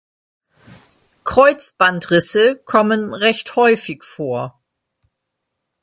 Kreuzbandrisse kommen recht häufig vor.